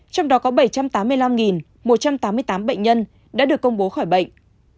trong đó có bảy trăm tám mươi năm một trăm tám mươi tám bệnh nhân đã được công bố khỏi bệnh